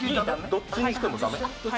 どっちにしても駄目？